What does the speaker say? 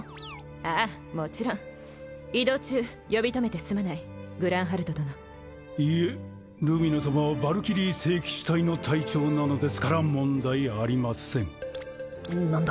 ああもちろん移動中呼び止めてすまないグランハルト殿いえルミナ様はヴァルキリー聖騎士隊の隊長なのですから問題ありません何だ？